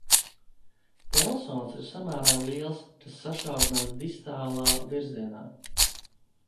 Telsons ir samēra liels, kas sašaurinās distālā virzienā.